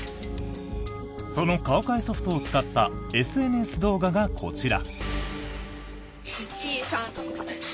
その顔変えソフトを使ったＳＮＳ動画がこちら。